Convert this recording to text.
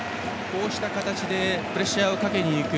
こうした形でプレッシャーをかけていく。